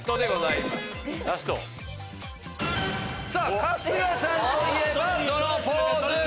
さぁ春日さんといえばどのポーズ？